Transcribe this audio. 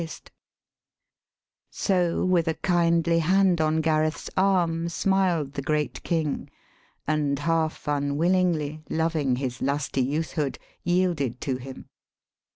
185 THE SPEAKING VOICE So with a kindly hand on Gareth's arm Smiled the great King, and half unwillingly, Loving his lusty youthhood, yielded to him.